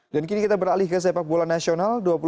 dan kini kita beralih ke sepak bola nasional